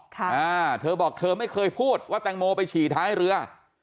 ค่ะอ่าเธอบอกเธอไม่เคยพูดว่าแตงโมไปฉี่ท้ายเรือ